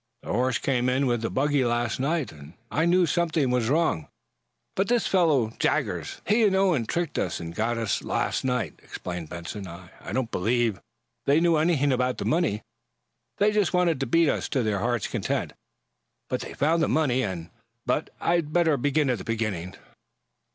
The horse came in with the buggy last night, and I knew something was wrong. But this fellow, Jaggers " "He and Owen tricked us and got us last night," explained Benson. "I don't, believe they knew anything about the money. They just wanted to beat us to their heart's content. But they found the money, and but I'd better begin at the beginning."